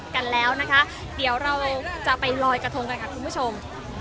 กันแล้วนะคะเดี๋ยวเราจะไปลอยกระทงกันค่ะคุณผู้ชม